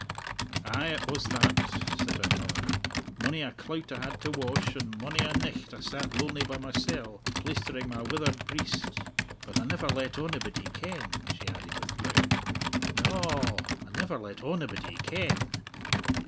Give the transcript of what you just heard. "Ay, it was that," said her mother. "Mony a clout I had to wash, and mony a nicht I sat lonely by mysell, plaistering my withered breist. But I never let onybody ken," she added with pride; "na a a, I never let onybody ken.